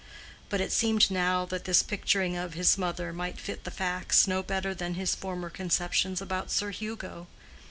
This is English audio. But it seemed now that this picturing of his mother might fit the facts no better than his former conceptions about Sir Hugo.